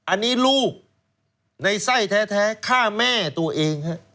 อันนี้ลูกในไส้แท้ฆ่าแม่ตัวเองฮะ